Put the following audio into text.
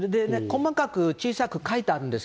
細かく、小さく書いてあるんです